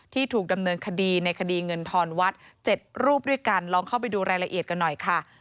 ถูกดำเนินคดีในคดีเงินทอนวัด๗รูปด้วยกันลองเข้าไปดูรายละเอียดกันหน่อยค่ะ